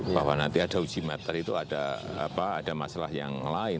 bahwa nanti ada uji materi itu ada masalah yang lain